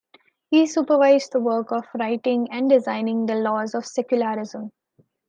He supervised the work of writing and designing the laws of secularism.